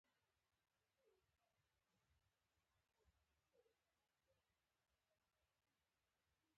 اوړه د سړو لاسو نه تښتي